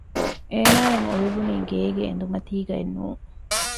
އޭނާއަށް އޮވެވުނީ ގޭގެ އެނދުމަތީގައެއް ނޫން